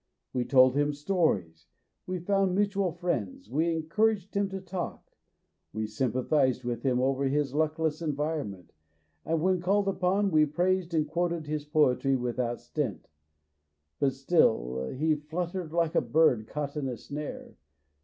We told him stories, we found mutual friends, we encouraged him to talk, we sympathized with him over his luckless environment, and 220 MONOLOGUES when called upon we praised and quoted his poetry without stint ; but still he fluttered like a bird caught in a snare.